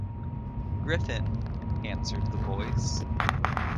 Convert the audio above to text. "Griffin," answered the Voice.